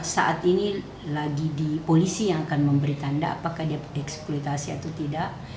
saat ini lagi di polisi yang akan memberi tanda apakah dia eksploitasi atau tidak